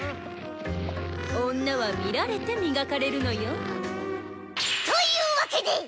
女は見られて磨かれるのよ。というわけで！